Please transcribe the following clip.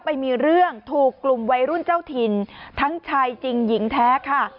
ไปมีเรื่องถูกกลุ่มวัยรุ่นเจ้าถิ่นทั้งชายจริงหญิงแท้ค่ะ